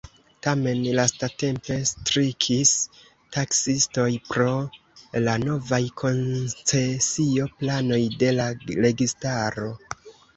Tamen lastatempe strikis taksiistoj pro la novaj koncesio-planoj de la registaro.